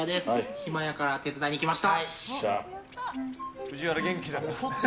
暇やから手伝いに来ました。